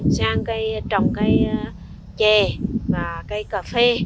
sang cây trồng cây chè và cây cà phê